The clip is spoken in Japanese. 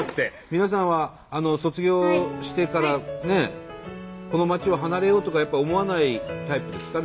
皆さんは卒業してからこの町を離れようとかやっぱ思わないタイプですか？